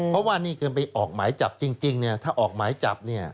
เพราะว่านี่เกินไปออกหมายจับจริงเนี่ยถ้าออกหมายจับเนี่ย